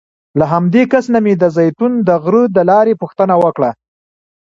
له همدې کس نه مې د زیتون د غره د لارې پوښتنه وکړه.